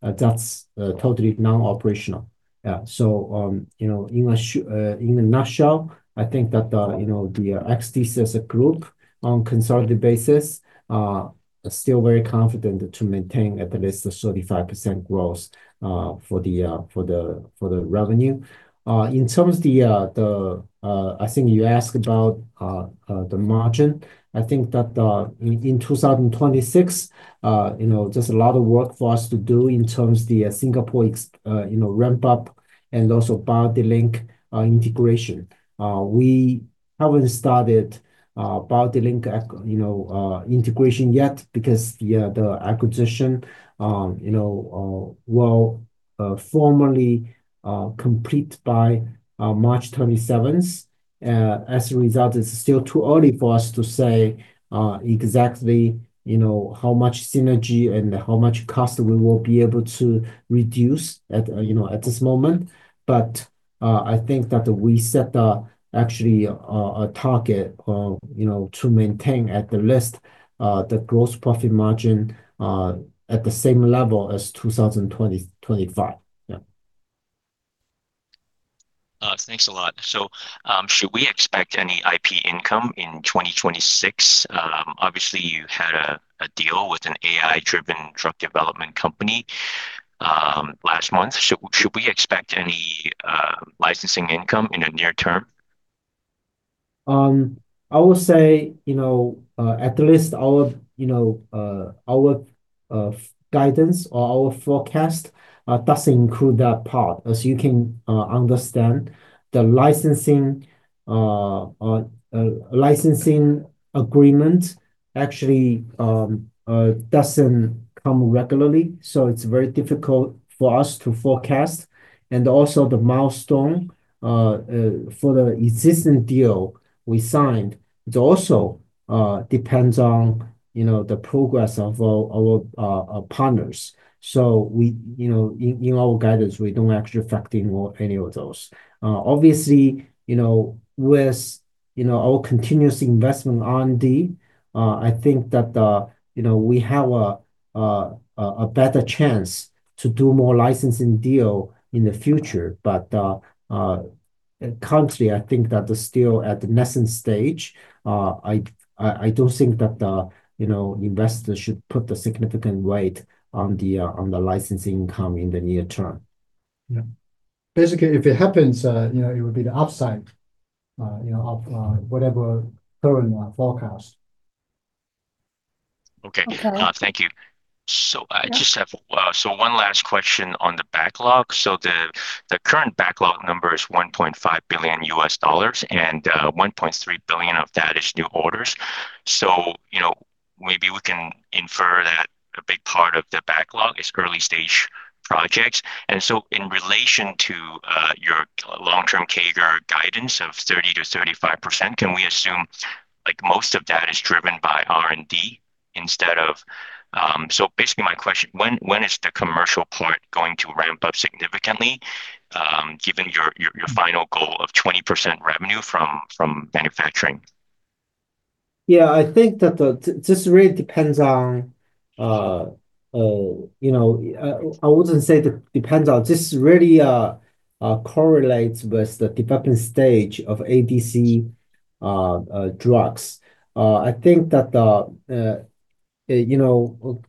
that's totally non-operational. In a nutshell, I think that the XDC as a group on consolidated basis are still very confident to maintain at least the 35% growth for the revenue. In terms of the margin, I think you asked about the margin. I think that in 2026, you know, there's a lot of work for us to do in terms of the Singapore ramp up and also BioDlink integration. We haven't started BioDlink integration yet because the acquisition will formally complete by March 27th. As a result, it's still too early for us to say exactly, you know, how much synergy and how much cost we will be able to reduce at this moment. I think that we set, actually, a target, you know, to maintain at least the gross profit margin at the same level as 2020-2025. Yeah. Thanks a lot. Should we expect any IP income in 2026? Obviously, you had a deal with an AI-driven drug development company last month. Should we expect any licensing income in the near term? I would say, you know, at least our guidance or our forecast does include that part. As you can understand, the licensing agreement actually doesn't come regularly, so it's very difficult for us to forecast. Also, the milestone for the existing deal we signed also depends on, you know, the progress of our partners. In our guidance, we don't actually factor in any of those. Obviously, with our continuous investment in R&D, I think that, you know, we have a better chance to do more licensing deal in the future. Currently, I think that they're still at the nascent stage. I don't think that, you know, investors should put a significant weight on the licensing income in the near term. Yeah. Basically, if it happens, you know, it would be the upside, you know, of whatever current forecast. Okay. Okay. Thank you. I just have one last question on the backlog. The current backlog number is $1.5 billion, and $1.3 billion of that is new orders. You know, maybe we can infer that a big part of the backlog is early-stage projects. In relation to your long-term CAGR guidance of 30%-35%, can we assume, like, most of that is driven by R&D instead of. Basically, my question, when is the commercial part going to ramp up significantly, given your final goal of 20% revenue from manufacturing? Yeah. I think that this really correlates with the development stage of ADC drugs. I think that you know,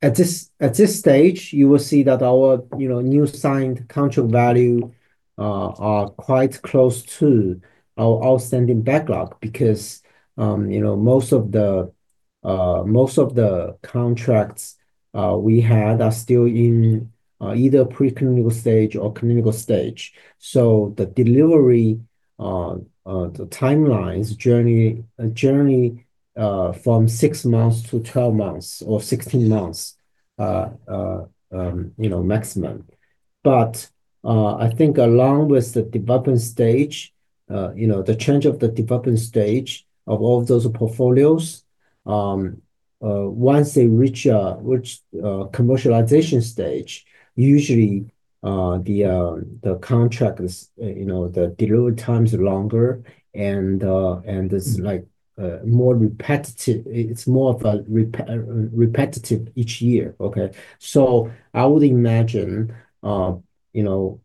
at this stage, you will see that our you know, new signed contract value are quite close to our outstanding backlog because you know, most of the contracts we had are still in either preclinical stage or clinical stage. The delivery timelines journey from 6 months-12 months or 16 months you know, maximum. I think along with the development stage, you know, the change of the development stage of all those portfolios, once they reach commercialization stage, usually the contract is, you know, the delivery times are longer and it's, like, more repetitive. It's more of a repetitive each year, okay? I would imagine, you know,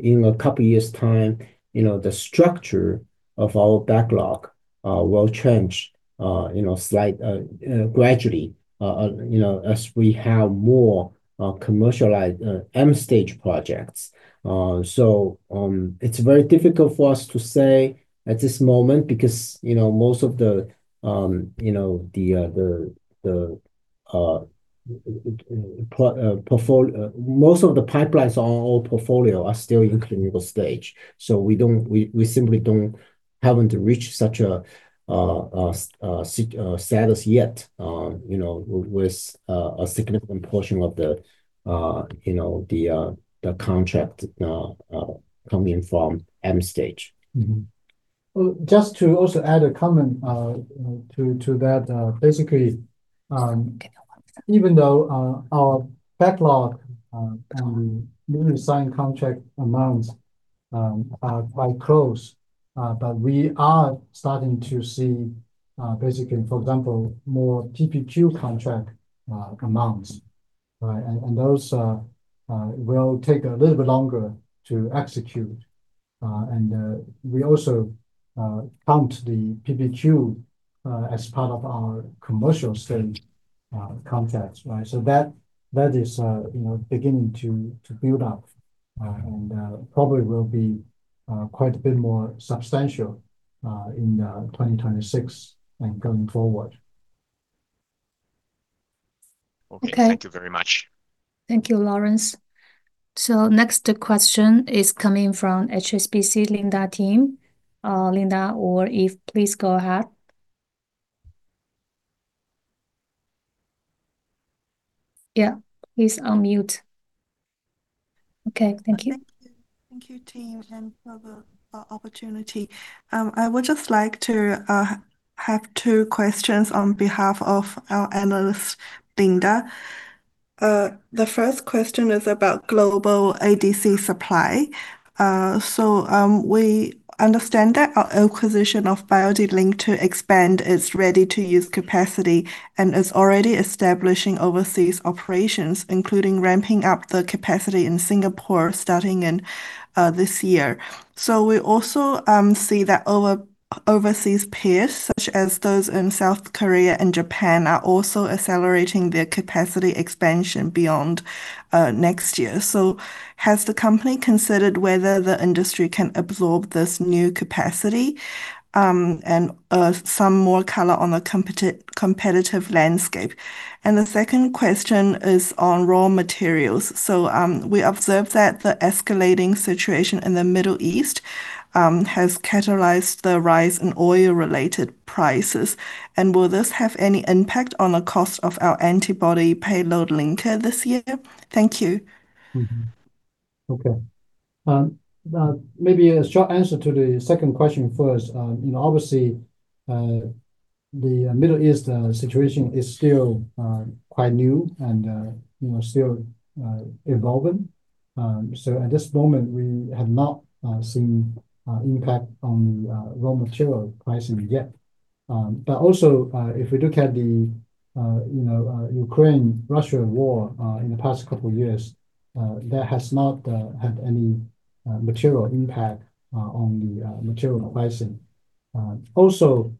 in a couple years' time, you know, the structure of our backlog will change, you know, slightly, gradually, you know, as we have more commercialized M stage projects. It's very difficult for us to say at this moment because, you know, most of the, you know, the portfolio. Most of the pipelines on our portfolio are still in clinical stage, so we simply haven't reached such a status yet, you know, with a significant portion of the contract coming from M stage. Well, just to also add a comment to that. Basically, even though our backlog newly signed contract amounts are quite close, but we are starting to see basically, for example, more PPQ contract amounts, right? Those will take a little bit longer to execute. We also count the PPQ as part of our commercial stage contracts, right? That is you know, beginning to build up and probably will be quite a bit more substantial in 2026 and going forward. Okay. Thank you very much. Thank you, Lawrence. Next question is coming from HSBC, Linda Team. Linda, or Eve, please go ahead. Yeah, please unmute. Okay, thank you. Thank you. Thank you, team, and for the opportunity. I would just like to have two questions on behalf of our Analyst, Linda. The first question is about global ADC supply. We understand that our acquisition of BioDlink to expand its ready-to-use capacity and is already establishing overseas operations, including ramping up the capacity in Singapore starting in this year. We also see that overseas peers, such as those in South Korea and Japan, are also accelerating their capacity expansion beyond next year. Has the company considered whether the industry can absorb this new capacity? Some more color on the competitive landscape. The second question is on raw materials. We observed that the escalating situation in the Middle East has catalyzed the rise in oil-related prices, and will this have any impact on the cost of our antibody payload-linker this year? Thank you. Maybe a short answer to the second question first. You know, obviously, the Middle East situation is still quite new and, you know, still evolving. So at this moment, we have not seen impact on the raw material pricing yet. But also, if we look at, you know, the Ukraine-Russia war in the past couple years, that has not had any material impact on the material pricing. Also,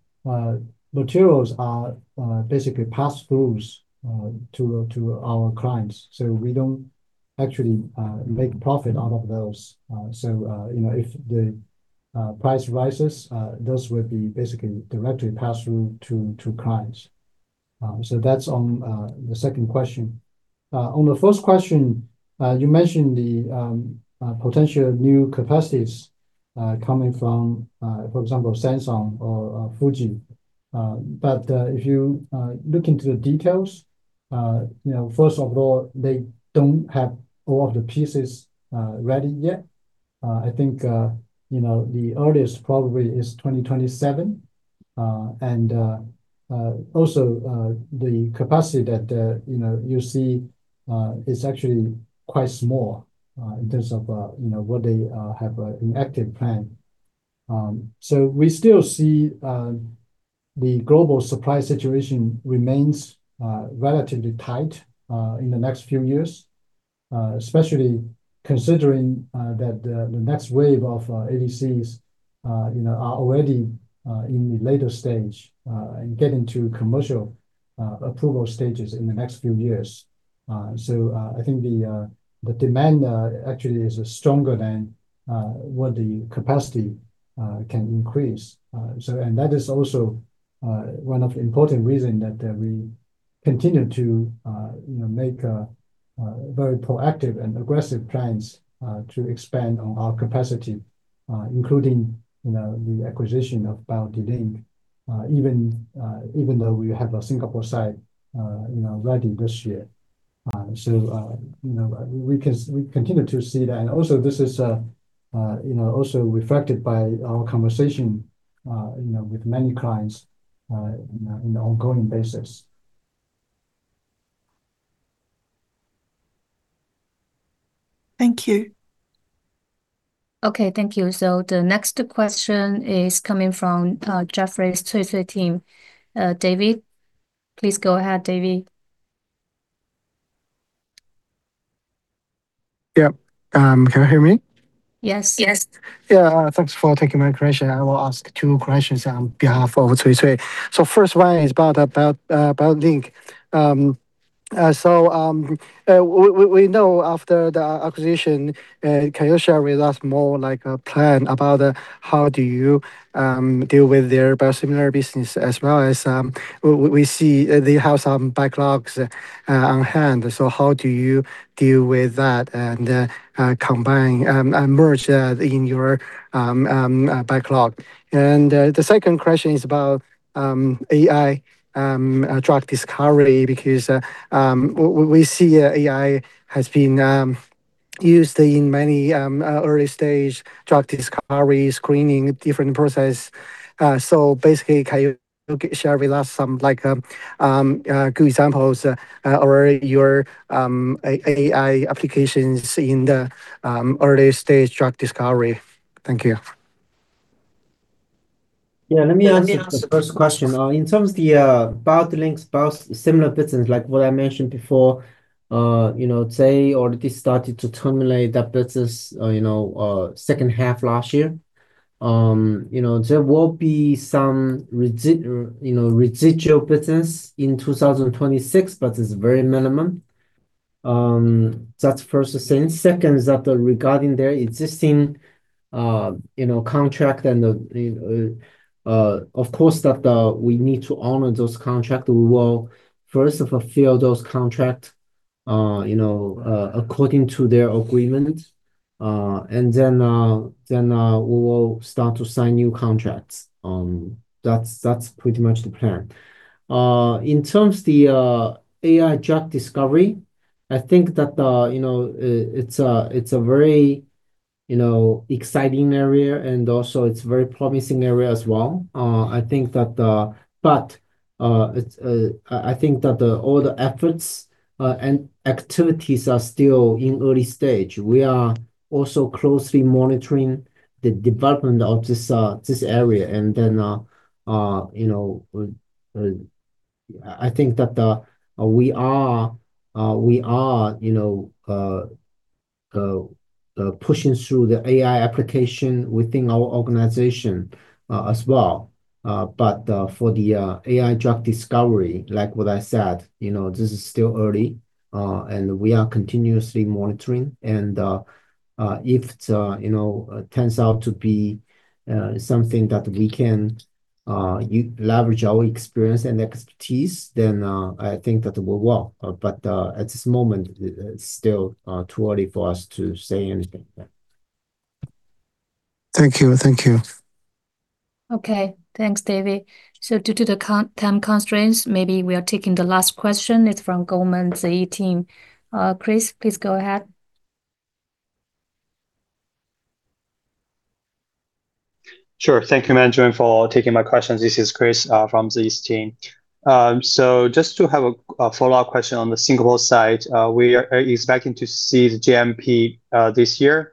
materials are basically pass-throughs to our clients, so we don't actually make profit out of those. So, you know, if the price rises, those will be basically directly pass-through to clients. So that's on the second question. On the first question, you mentioned the potential new capacities coming from, for example, Samsung or Fuji. If you look into the details, you know, first of all, they don't have all of the pieces ready yet. I think, you know, the earliest probably is 2027. Also, the capacity that you know, you see is actually quite small in terms of, you know, what they have in active plan. We still see the global supply situation remains relatively tight in the next few years, especially considering that the next wave of ADCs you know are already in the later stage and getting to commercial approval stages in the next few years. I think the demand actually is stronger than what the capacity can increase. That is also one of the important reason that we continue to you know make very proactive and aggressive plans to expand on our capacity including you know the acquisition of BioDlink even though we have a Singapore site you know ready this year. You know, we continue to see that. Also, this is, you know, also reflected by our conversation, you know, with many clients, you know, on an ongoing basis. Thank you. Okay, thank you. The next question is coming from Jefferies' Cui Cui team. Davey? Please go ahead, Davey. Yep. Can you hear me? Yes. Yes. Yeah, thanks for taking my question. I will ask two questions on behalf of Cui Cui. First one is about BioDlink. We know after the acquisition, can you share with us more like a plan about how do you deal with their biosimilar business as well as we see they have some backlogs on hand. How do you deal with that and combine and merge in your backlog? The second question is about AI drug discovery because we see AI has been used in many early-stage drug discovery screening, different process. Basically, can you share with us some like good examples or your AI applications in the early-stage drug discovery? Thank you. Yeah, let me answer the first question. In terms of the BioDlink's biosimilar business, like what I mentioned before, you know, they already started to terminate that business, you know, second half last year. You know, there will be some residual business in 2026, but it's very minimum. That's first thing. Second is that regarding their existing contracts, of course we need to honor those contracts. We will first fulfill those contracts, you know, according to their agreement, and then we will start to sign new contracts. That's pretty much the plan. In terms of the AI drug discovery, I think that you know it's a very you know exciting area, and also it's very promising area as well. I think that all the efforts and activities are still in early stage. We are also closely monitoring the development of this area. You know I think that we are you know pushing through the AI application within our organization as well. For the AI drug discovery, like what I said, you know this is still early and we are continuously monitoring. If you know it turns out to be something that we can leverage our experience and expertise, then I think that it will work. At this moment, it's still too early for us to say anything. Yeah. Thank you. Thank you. Okay. Thanks, Davey. Due to the time constraints, maybe we are taking the last question. It's from Goldman *inaudible* team. Chris, please go ahead. Sure. Thank you, *inaudible* for taking my questions. This is Chris from *inaudible* team. So just to have a follow-up question on the Singapore site, we are expecting to see the GMP this year.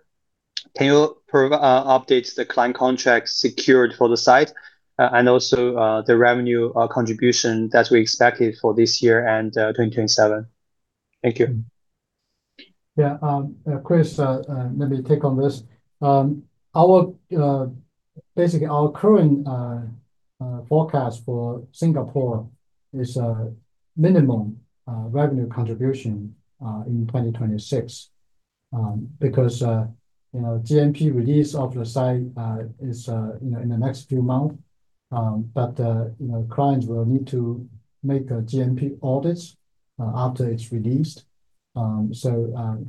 Can you update the client contracts secured for the site, and also the revenue contribution that we expected for this year and 2027? Thank you. Chris, let me take on this. Our current forecast for Singapore is a minimum revenue contribution in 2026, because you know GMP release of the site is you know in the next few months. Clients will need to make a GMP audit after it's released.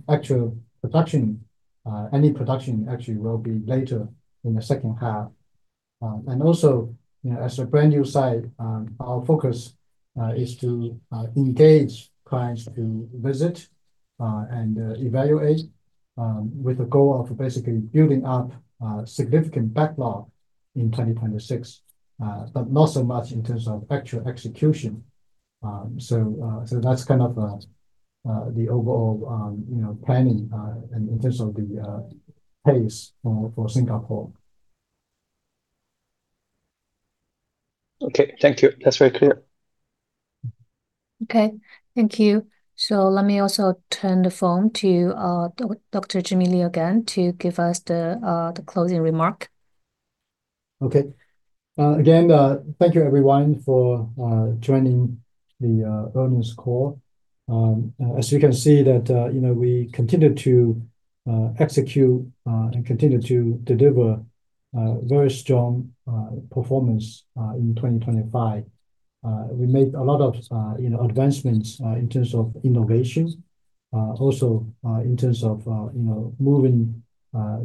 Actual production, any production actually, will be later in the second half. Also, as a brand new site, our focus is to engage clients to visit and evaluate, with the goal of basically building up a significant backlog in 2026, but not so much in terms of actual execution. That's kind of the overall you know planning in terms of the pace for Singapore. Okay, thank you. That's very clear. Okay, thank you. Let me also turn the phone to Dr. Jimmy Li again to give us the closing remark. Okay. Again, thank you everyone for joining the earnings call. As you can see that, you know, we continue to execute and continue to deliver a very strong performance in 2025. We made a lot of, you know, advancements in terms of innovation. Also, in terms of you know, moving a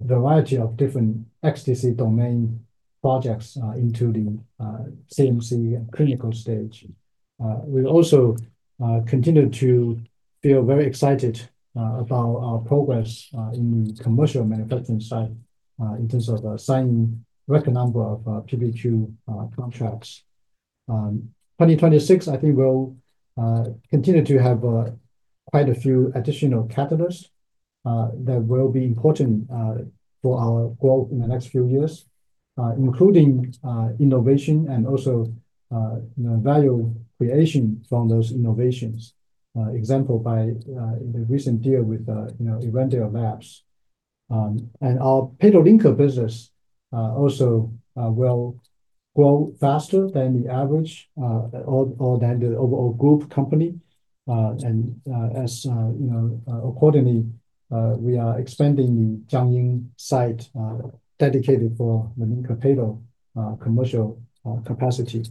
variety of different XDC domain projects into the CMC clinical stage. We've also continued to feel very excited about our progress in commercial manufacturing side, in terms of signing a record number of PPQ contracts. 2026, I think we'll continue to have quite a few additional catalysts that will be important for our growth in the next few years, including innovation and also you know, value creation from those innovations. For example by the recent deal with you know, Earendil Labs. And our peptide linker business also will grow faster than the average or than the overall group company. As you know, accordingly, we are expanding the Jiangyin site dedicated for linker-payload commercial capacity.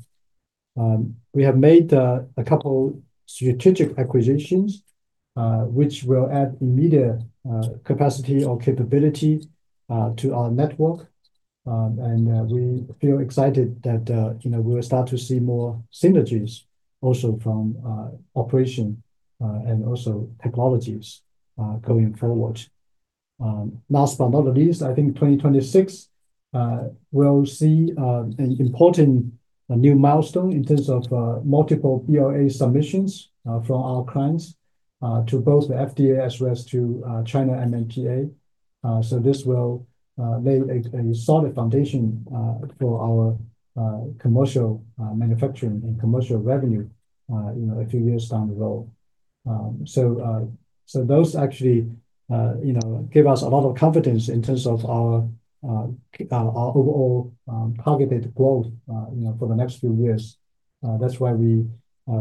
We have made a couple strategic acquisitions, which will add immediate capacity or capability to our network. We feel excited that you know, we'll start to see more synergies also from operations and also technologies going forward. Last but not least, I think 2026 will see an important new milestone in terms of multiple BLA submissions from our clients to both the FDA as well as to China NMPA. This will lay a solid foundation for our commercial manufacturing and commercial revenue, you know, a few years down the road. Those actually you know give us a lot of confidence in terms of our overall targeted growth you know for the next few years. That's why we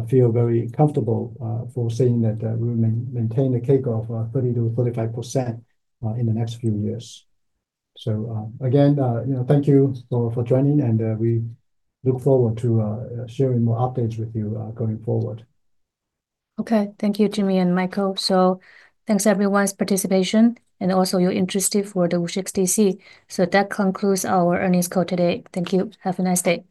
feel very comfortable foreseeing that we maintain the CAGR of 30%-35% in the next few years. Again you know thank you for joining and we look forward to sharing more updates with you going forward. Okay. Thank you, Jimmy and Michael. Thanks for everyone's participation and also your interest in the WuXi XDC. That concludes our earnings call today. Thank you. Have a nice day.